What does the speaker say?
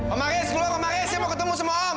omaris keluar omaris saya mau ketemu semua om